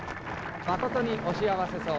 「誠にお幸せそう。